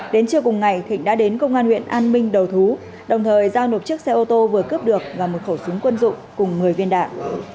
đến trưa cùng ngày thịnh đã đến công an huyện an minh đầu thú đồng thời giao nộp chiếc xe ô tô vừa cướp được và một khẩu súng quân dụng cùng một mươi viên đạn